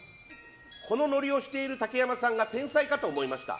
このノリをしている竹山さんが天才かと思いました。